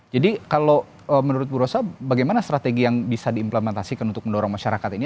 jadi kalau menurut bu rosa bagaimana strategi yang bisa diimplementasikan untuk mendorong masyarakat ini